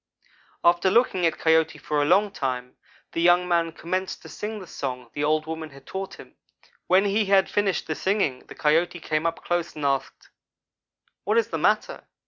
After looking at Coyote for a long time, the young man commenced to sing the song the old woman had taught him. When he had finished the singing, the Coyote came up close and asked: "'What is the matter?